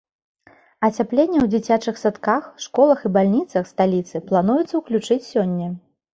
Ацяпленне ў дзіцячых садках, школах і бальніцах сталіцы плануецца ўключыць сёння.